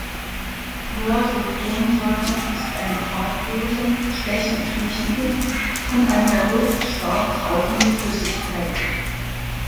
Chlorsulfonsäure ist eine farblose, stechend riechende und an der Luft stark rauchende Flüssigkeit.